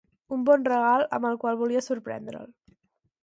Un bon regal amb el qual volia sorprendre'l.